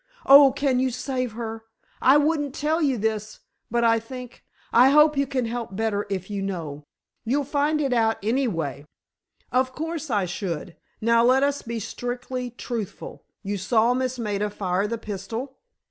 Oh, can you save her? I wouldn't tell you this, but I think—I hope you can help better if you know. You'd find it out anyway——" "Of course I should. Now, let us be strictly truthful. You saw Miss Maida fire the pistol?"